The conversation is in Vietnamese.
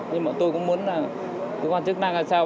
nhưng bọn tôi cũng muốn là cơ quan chức năng làm sao